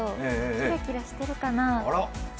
キラキラしてるかな。